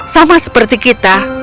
sama seperti kita